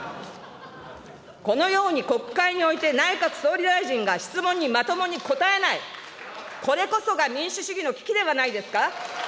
このように国会において内閣総理大臣が質問にまともに答えない、これこそが民主主義の危機ではないですか。